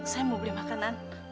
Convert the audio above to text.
saya mau beli makanan